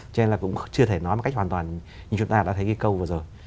cho nên là cũng chưa thể nói một cách hoàn toàn như chúng ta đã thấy ghi câu vừa rồi